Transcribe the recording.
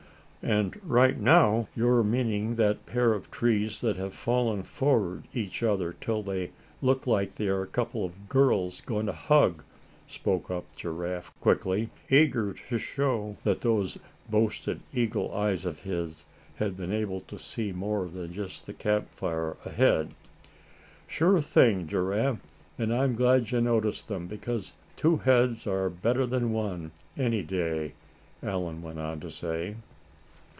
"And right now you're meaning that pair of trees that have fallen toward each other till they look like a couple of girls going to hug," spoke up Giraffe, quickly; eager to show that those boasted eagle eyes of his had been able to see more than just the campfire far ahead. "Sure thing. Giraffe, and I'm glad you noticed them, because two heads are better than one, any day," Allan went on to say.